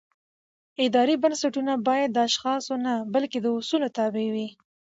اداري بنسټونه باید د اشخاصو نه بلکې د اصولو تابع وي